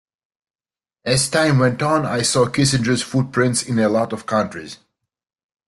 As time went on I saw Kissinger's footprints in a lot of countries.